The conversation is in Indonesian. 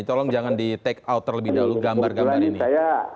tolong jangan di take out terlebih dahulu gambar gambarnya